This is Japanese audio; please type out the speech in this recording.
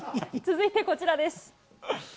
続いてこちらです。